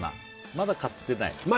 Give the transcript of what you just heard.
まだ買ってない？